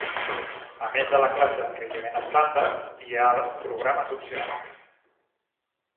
A més de la classe d'enriquiment estàndard, hi ha programes opcionals.